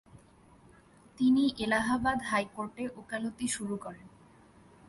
তিনি এলাহাবাদ হাইকোর্টে ওলাকতি শুরু করেন।